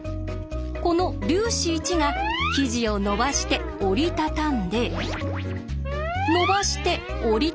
この粒子１が生地をのばして折り畳んでのばして折り畳んでを繰り返し